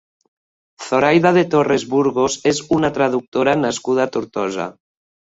Zoraida de Torres Burgos és una traductora nascuda a Tortosa.